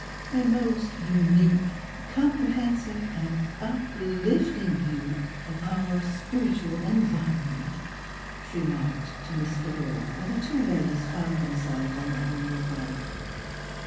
''A most unique, comprehensive and uplifting view of our spiritual environ ment," she remarked to Miss Philura when the two ladies found themselves on their homeward way.